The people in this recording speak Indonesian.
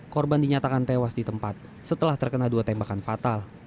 korban dinyatakan tewas di tempat setelah terkena dua tembakan fatal